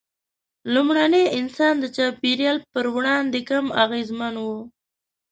لومړني انسانان د چاپېریال پر وړاندې کم اغېزمن وو.